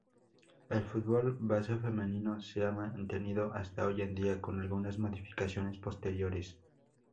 El fútbol base femenino se ha mantenido hasta hoy día con algunas modificaciones posteriores.